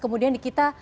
kemudian di kita